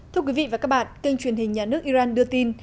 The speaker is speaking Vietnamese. thưa quý vị và các bạn kênh truyền hình nhà nước iran đưa tin